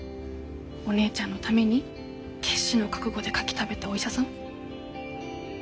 お姉ちゃんのために決死の覚悟でカキ食べたお医者さん？